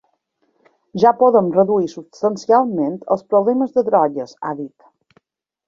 Ja podem reduir substancialment els problemes de drogues, ha dit.